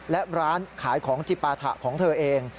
และร้านขายของจิปาถะของเธอเอง